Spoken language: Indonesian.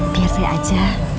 biar saya aja